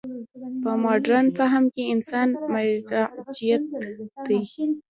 په مډرن فهم کې انسان مرجعیت دی.